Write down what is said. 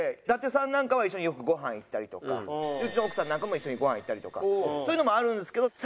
伊達さんなんかは一緒によくご飯行ったりとかうちの奥さんなんかも一緒にご飯行ったりとかそういうのもあるんですけど。